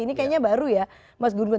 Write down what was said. ini kayaknya baru ya mas gungun